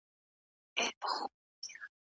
د ورزش شدت د عضلو فایبر ډول ټاکي.